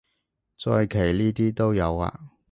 再騎呢啲都有啊